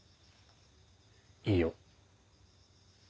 いいよ。